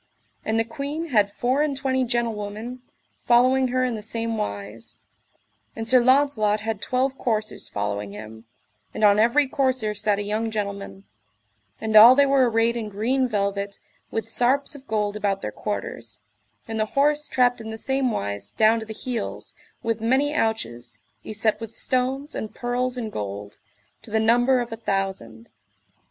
And the queen had four and twenty gentlewomen following her in the same wise; and Sir Launcelot had twelve coursers following him, and on every courser sat a young gentleman, and all they were arrayed in green velvet, with sarps of gold about their quarters, and the horse trapped in the same wise down to the heels, with many ouches, y set with stones and pearls in gold, to the number of a thousand.